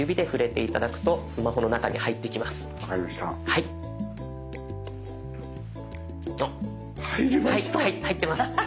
はい入ってます。